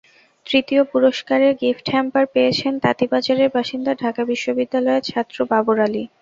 তৃতীয় পুরস্কারের গিফটহ্যাম্পার পেয়েছেন তাঁতী বাজারের বাসিন্দা ঢাকা বিশ্ববিদ্যালয়ের ছাত্র বাবর আলী।